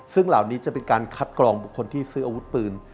ซึ่งเหล่านี้จะเป็นการคัดกรองบุคคลที่ซื้ออาวุธปืน